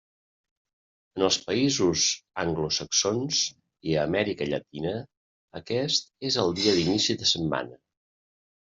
En els països anglosaxons i a Amèrica Llatina aquest és el dia d'inici de setmana.